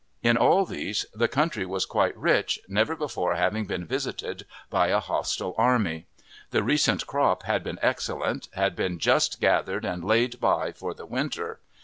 In all these the country was quite rich, never before having been visited by a hostile army; the recent crop had been excellent, had been just gathered and laid by for the winter.